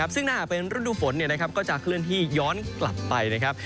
ซึ่งถ้าหากเป็นฤดูฝนก็จะเคลื่อนที่ย้อนกลับไปนะครับ